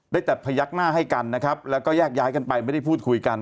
ได้แต่พยักหน้าให้กันนะครับแล้วก็แยกย้ายกันไปไม่ได้พูดคุยกัน